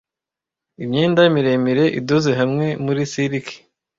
imyenda miremire idoze hamwe muri silik